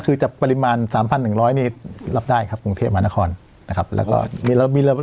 ก็คือจากปริมาณสามพันหนึ่งร้อยนี่รับได้ครับกรุงเทพมหานครนะครับแล้วก็มีแล้วมี